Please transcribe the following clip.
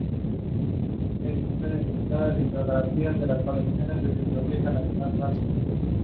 It was included as the closing track on digital versions of "High Road".